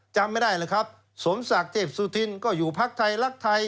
จำไม่ได้หรอกครับ